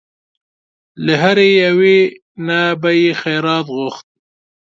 له هرې یوې نه به یې خیرات غوښت.